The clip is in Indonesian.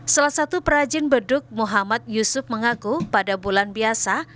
salah satu perajin beduk muhammad yusuf mengaku pada bulan biasa